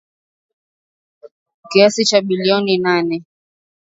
Kiasi cha shilingi bilioni nane.